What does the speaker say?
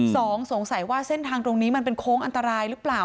สงสัยว่าเส้นทางตรงนี้มันเป็นโค้งอันตรายหรือเปล่า